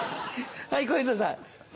はい小遊三さん。